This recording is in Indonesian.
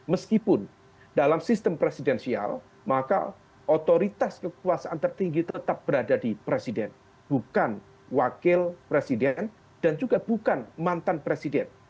meskipun dalam sistem presidensial maka otoritas kekuasaan tertinggi tetap berada di presiden bukan wakil presiden dan juga bukan mantan presiden